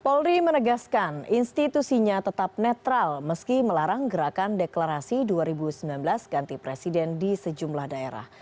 polri menegaskan institusinya tetap netral meski melarang gerakan deklarasi dua ribu sembilan belas ganti presiden di sejumlah daerah